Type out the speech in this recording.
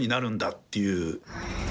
っていう。